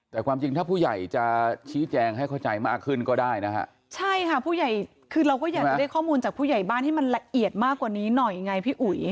แต่ความจริงถ้าผู้ใหญ่จะชี้แจงให้เข้าใจมากขึ้นก็ได้นะฮะใช่ค่ะผู้ใหญ่คือเราก็อยากจะได้ข้อมูลจากผู้ใหญ่บ้านให้มันละเอียดมากกว่านี้หน่อยไงพี่อุ๋ย